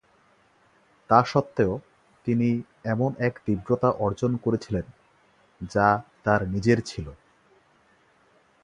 তা সত্ত্বেও, তিনি এমন এক তীব্রতা অর্জন করেছিলেন, যা তার নিজের ছিল।